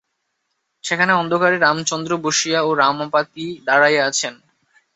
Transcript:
সেখানে অন্ধকারে রামচন্দ্র বসিয়া ও রমাপতি দাঁড়াইয়া আছেন।